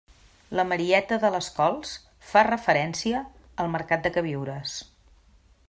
La Marieta de les Cols fa referència al mercat de queviures.